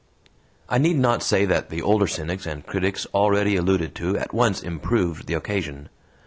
I need not say that the older cynics and critics already alluded to at once improved the occasion.